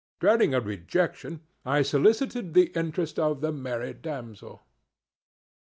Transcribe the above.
Dreading a rejection, I solicited the interest of the merry damsel.